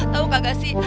tau gak sih